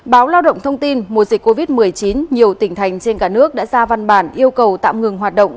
báo lao động thông tin mùa dịch covid một mươi chín nhiều tỉnh thành trên cả nước đã ra văn bản yêu cầu tạm ngừng hoạt động